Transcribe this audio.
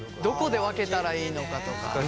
どこで分けたらいいのかとか。